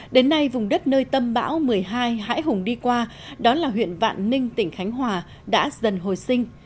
đến nay vùng đất nơi tâm bão một mươi hai hãi hùng đi qua đó là huyện vạn ninh tỉnh khánh hòa đã dần hồi sinh